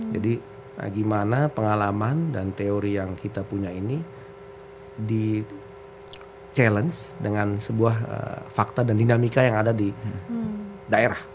jadi gimana pengalaman dan teori yang kita punya ini di challenge dengan sebuah fakta dan dinamika yang ada di daerah